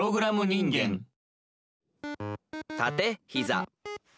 「たてひざ」。